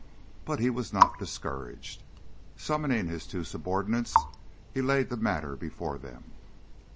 But he was not discouraged. Summoning his two subordinates, he laid the matter before them.